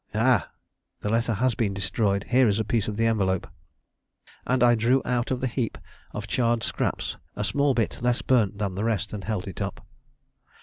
Ah, the letter has been destroyed; here is a piece of the envelope," and I drew out of the heap of charred scraps a small bit less burnt than the rest, and held it up.